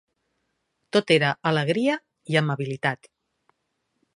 Tot era alegria i amabilitat.